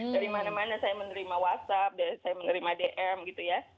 dari mana mana saya menerima whatsapp saya menerima dm gitu ya